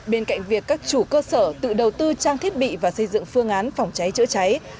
bên cạnh việc các chủ cơ sở tự đầu tư trang thiết bị và xây dựng phương án phòng cháy chữa cháy